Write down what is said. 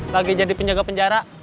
lagi jadi penjaga penjara